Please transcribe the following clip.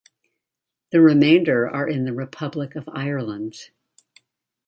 The remainder are in the Republic of Ireland.